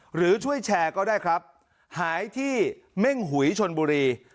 หรือช่วยแชร์ก็ได้ครับหายที่เม่งหุยชนบุรี